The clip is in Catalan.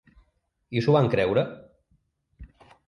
I s’ho van creure!